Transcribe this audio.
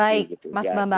baik mas bambang